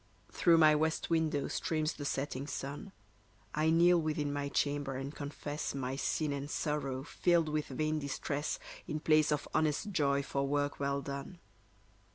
Through my west window streams the setting sun. I kneel within my chamber, and confess My sin and sorrow, filled with vain distress, In place of honest joy for work well done.